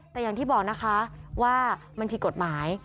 แต่อย่างที่บอกนะคะว่ามันผิดกฎหมาย